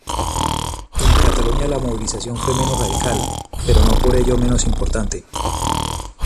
En Cataluña la movilización fue menos radical, pero no por ello menos importante.